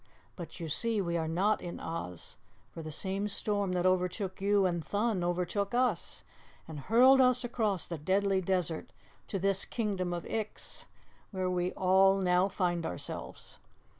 But, you see, we are not in Oz, for the same storm that overtook you and Thun overtook us, and hurled us across the Deadly Desert to this Kingdom of Ix, where we all now find ourselves.